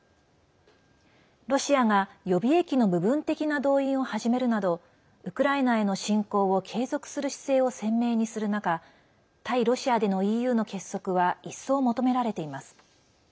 ロシアが予備役の部分的な動員を始めるなどウクライナへの侵攻を継続する姿勢を鮮明にする中対ロシアでのＥＵの結束は一層求められています。